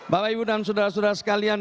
bapak ibu dan saudara saudara sekalian